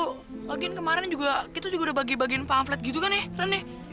kemarin kemarin juga kita juga udah bagi bagi pamflet gitu kan ya keren nih